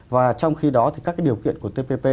và trong khi đó thì các cái điều kiện của tpp